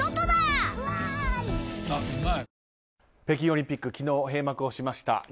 北京オリンピック昨日、閉会しました。